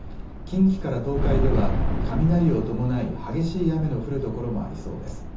近畿から東海では雷を伴い激しい雨の降る所もありそうです。